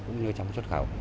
cũng như trong xuất khẩu